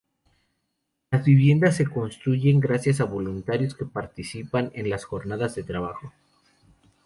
Las viviendas se construyen gracias a voluntarios que participan en las jornadas de trabajo.